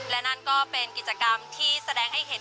และนั่นก็เป็นกิจกรรมที่แสดงให้เห็น